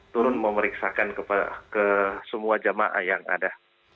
turun memeriksakan ke semua jamaah yang ada